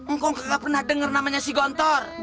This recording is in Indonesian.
ngkong kagak pernah denger namanya si gontor